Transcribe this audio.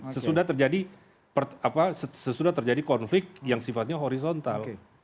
sesudah terjadi konflik yang sifatnya horizontal